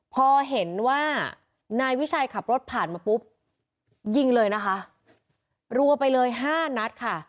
พอเห็นว่านายวิชัยขับรถผ่านมาปุ๊บยิงเลยนะคะรัวไปเลยห้านัดค่ะ